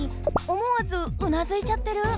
思わずうなずいちゃってる。